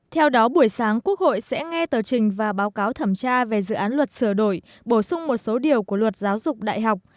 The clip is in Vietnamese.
theo đó buổi sáng quốc hội sẽ nghe tờ trình và báo cáo thẩm tra về dự án luật sửa đổi bổ sung một số điều của luật giáo dục đại học